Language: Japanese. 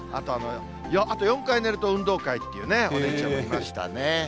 あと、４回寝ると運動会っていうね、お兄ちゃんもいましたね。